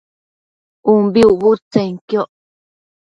ubi ucbudtsenquioc